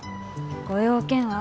ご用件は？